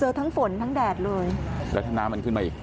ทั้งฝนทั้งแดดเลยแล้วถ้าน้ำมันขึ้นมาอีก